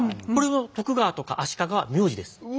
これは徳川とか足利は名字です。